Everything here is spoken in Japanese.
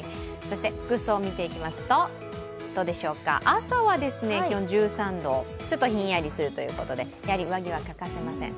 服装を見ていきますと、朝は気温は１３度、ちょっとひんやりするということで、上着は欠かせません。